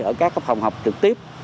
ở các phòng học trực tiếp